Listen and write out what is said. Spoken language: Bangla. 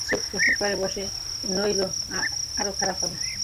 চুপ করো বসো নইলে আরো খারাপ হবে।